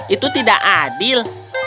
itu tidak adil